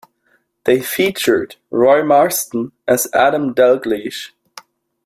They featured Roy Marsden as Adam Dalgliesh.